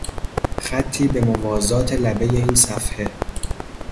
خطی به موازات لبهی این صفحه